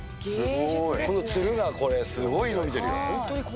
このつるが、すごい伸びてるよ。